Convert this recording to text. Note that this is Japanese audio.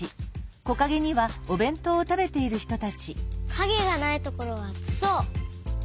かげがないところはあつそう。